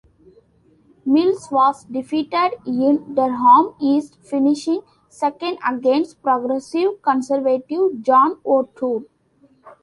Mills was defeated in Durham East, finishing second against Progressive Conservative John O'Toole.